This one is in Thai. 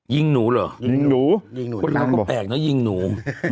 ยิงหนูเหรอน้องก็แตกนะยิงหนู